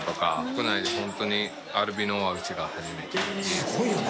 すごいよな。